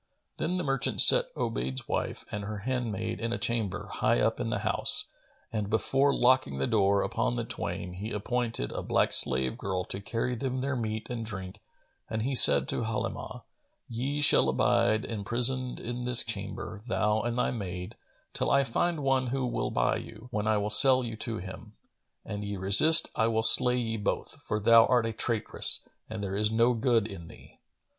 Then the merchant set Obayd's wife and her handmaid in a chamber high up in the house and, before locking the door upon the twain, he appointed a black slave girl to carry them their meat and drink and he said to Halimah, "Ye shall abide imprisoned in this chamber, thou and thy maid, till I find one who will buy you, when I will sell you to him. An ye resist, I will slay ye both, for thou art a traitress, and there is no good in thee."